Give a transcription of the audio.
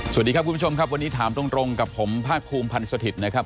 สวัสดีครับคุณผู้ชมครับวันนี้ถามตรงกับผมภาคภูมิพันธ์สถิตย์นะครับ